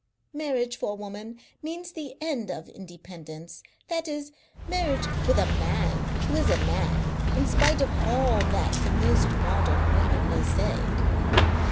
Marriage for a woman means the end of independence, that is, marriage with a man who is a man, in spite of all that the most modern woman may say.